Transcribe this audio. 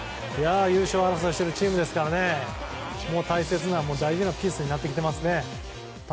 優勝争いしているチームですから大切で大事なピースになってきていますね。